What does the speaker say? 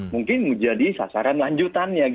mungkin menjadi sasaran lanjutannya